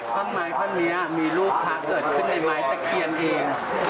ท่อนไม้ท่อนนี้มีรูปพระเกิดขึ้นในไม้ตะเคียนเอง